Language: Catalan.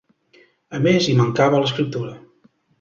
A més, hi mancava l'escriptura.